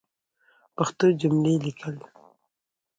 پښتو جملی لیکل